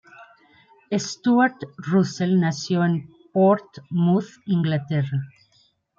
Stuart Russell nació en Portsmouth, Inglaterra.